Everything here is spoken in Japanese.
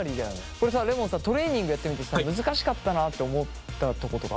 これさレモンさトレーニングやってみてさ難しかったなって思ったとことかある？